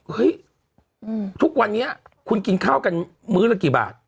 เฮ้ยทุกวันนี้คุณกินข้าวกันมื้อละกี่บาท